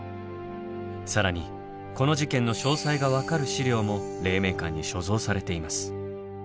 更にこの事件の詳細が分かる資料も黎明館に所蔵されています。